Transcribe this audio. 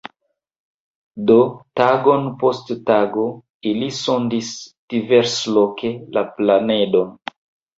Do, tagon post tago, ili sondis diversloke la planedon.